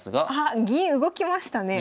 あっ銀動きましたね！